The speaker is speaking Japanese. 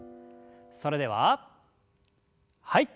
それでははい。